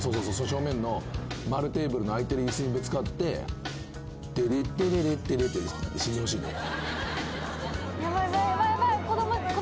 正面の丸テーブルの空いてる椅子にぶつかって「テレッテテレッテレ」って死んでほしいのよ。